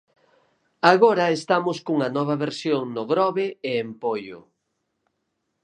Agora estamos cunha nova versión no Grove e en Poio.